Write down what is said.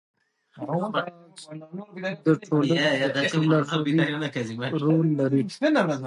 استاد د ټولنې د فکري لارښودۍ رول لري.